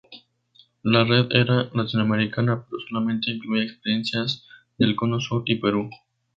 La red era latinoamericana pero solamente incluía experiencias del Cono Sur y Perú.